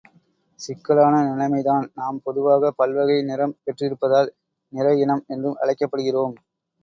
சிக்கலான நிலைமைதான், நாம் பொதுவாகப் பல்வகை நிறம் பெற்றிருப்பதால் நிற இனம் என்று அழைக்கப்படுகிறோம்.